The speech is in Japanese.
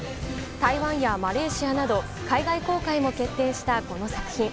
台湾やマレーシアなど海外公開も決定したこの作品。